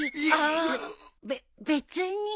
べ別に。